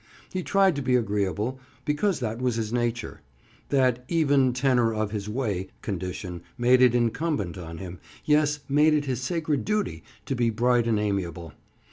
He tried to be agreeable, because that was his nature. That "even tenor of his way" condition made it incumbent on him—yes, made it his sacred duty to be bright and amiable.